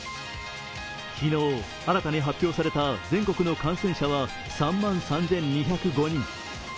昨日、新たに発表された全国の感染者は３万３２０５人。